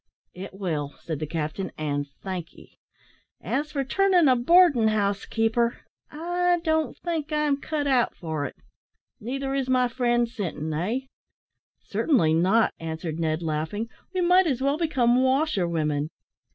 "It will," said the captain, "and thank 'ee. As for turning a boardin' house keeper, I don't think I'm cut out for it. Neither is my friend Sinton, eh?" "Certainly not," answered Ned, laughing: "we might as well become washerwomen."